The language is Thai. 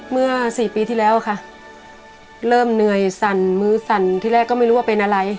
เมื่อสี่ปีที่แล้วค่ะเริ่มเหนื่อยสั่นมือสั่นที่แรกก็ไม่รู้ว่าเป็นอะไร